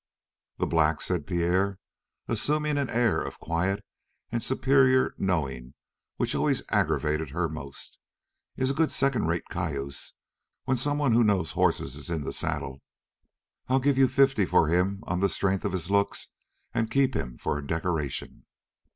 "The black," said Pierre, assuming an air of quiet and superior knowing which always aggravated her most, "is a good second rate cayuse when someone who knows horses is in the saddle. I'd give you fifty for him on the strength of his looks and keep him for a decoration."